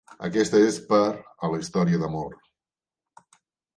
Aquesta és per a la història d'amor...!